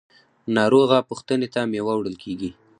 ناروغه پوښتنې ته میوه وړل کیږي.